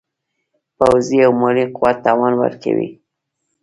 پوځي او مالي قوت توان ورکوي.